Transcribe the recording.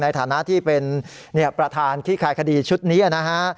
ในฐานะที่เป็นประธานขี้คายคดีชุดนี้นะฮะ